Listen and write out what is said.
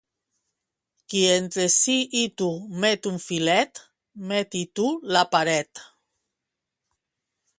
Qui entre si i tu met un filet, met-hi tu la paret.